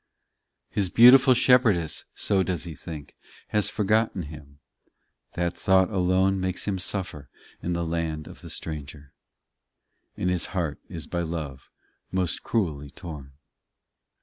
in His beautiful shepherdess, so does he think, Has forgotten him : that thought alone Makes him suffer in the land of the stranger, And his heart is by love most cruelly torn.